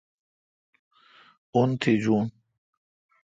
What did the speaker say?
مہ ان تھجون اؘ۔